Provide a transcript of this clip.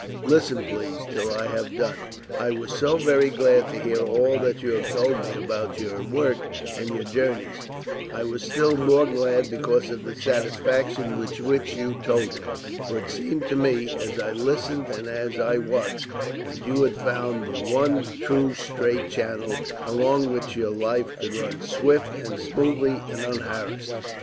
Listen, please, till I have done. I was so very glad to hear all that you have told me about your work and your journeys. I was still more glad because of the satisfaction with which you told it. For it seemed to me, as I listened and as I watched, that you had found the one true straight channel along which your life could run swift and smoothly and unharassed.